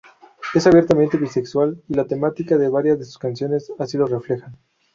Es abiertamente bisexual y la temática de varias de sus canciones así lo reflejan.